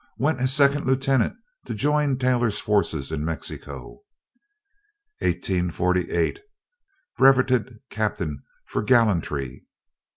Went as second lieutenant to join Taylor's forces in Mexico. 1848. Brevetted captain for gallantry.